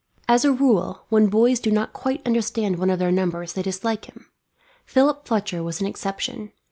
As a rule, when boys do not quite understand one of their number they dislike him. Philip Fletcher was an exception.